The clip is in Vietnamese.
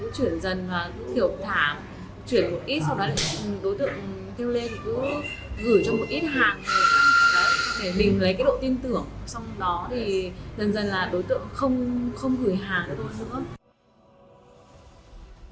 xong đó thì dần dần là đối tượng không gửi hàng nữa